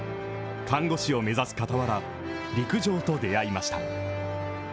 看護師を目指す傍ら、陸上と出会いました。